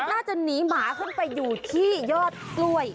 น่าจะหนีหมาขึ้นไปอยู่ที่ยอดกล้วย